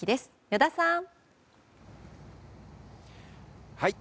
依田さん！